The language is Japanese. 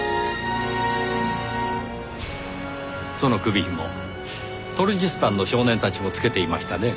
その首ひもトルジスタンの少年たちも着けていましたね？